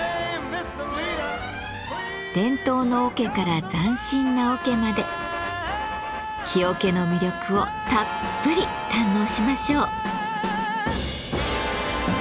伝統の桶から斬新な桶まで木桶の魅力をたっぷり堪能しましょう。